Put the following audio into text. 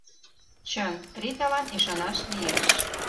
Чын, Риталан ӱшанаш лиеш.